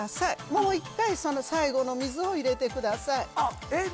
もう一回その最後の水を入れてくださいあっえっ？